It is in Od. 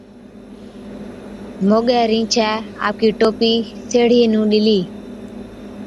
موڳي رِينڇَي آپڪِي ٽوپِي سيهڙِيئي نُون ڏِلِي۔